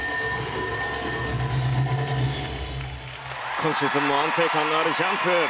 今シーズンも安定感のあるジャンプ！